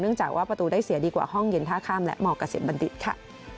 จากว่าประตูได้เสียดีกว่าห้องเย็นท่าข้ามและมเกษมบัณฑิตค่ะ